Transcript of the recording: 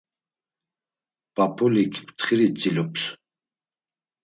P̆ap̆ulik mtxiri tzilups.